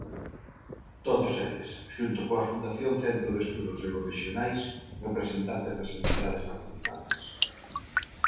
Todos eles, xunto coa Fundación Centro de Estudos Eurorrexionais, representantes das entidades participantes.